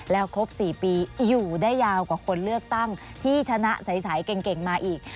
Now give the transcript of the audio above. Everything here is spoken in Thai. แล้วครบ๔ปีอยู่ได้ยาวกว่าคนเลือกตั้งที่ชนะใสเก่งมาอีก